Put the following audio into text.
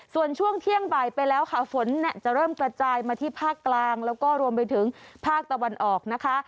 ส่วนช่วงเที่ยงบ่ายไปแล้วค่ะฝนจะเริ่มกระจายมาที่ภาคกลางแล้วก็รวมไปถึงภาคตะวันออกนะคะ